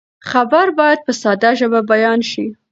خبر باید په ساده ژبه بیان شي.